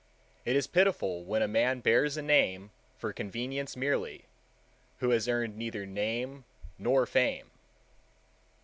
It is pitiful when a man bears a name for convenience merely, who has earned neither name nor fame.